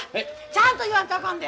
ちゃんと言わんとあかんで。